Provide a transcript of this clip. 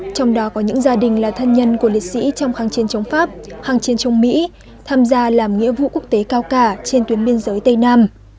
trong đó có những gia đình là thân nhân của lịch sĩ trong kháng chiến chống pháp hàng chiến chống mỹ tham gia làm nghĩa vụ quốc tế cao cả trên tuyến biên giới tây nam